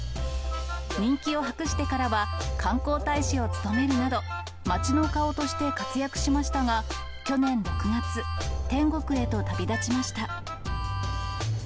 人気を博してからは、観光大使を務めるなど、街の顔として活躍しましたが、去年６月、天国へと旅立ちました。